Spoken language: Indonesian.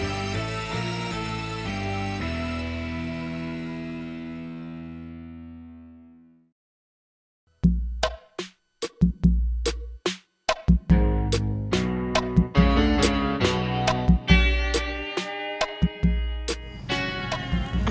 bisa aku dia